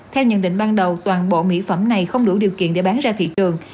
theo nhận định ban đầu toàn bộ mỹ phẩm này không đủ điều kiện để bán ra thị trường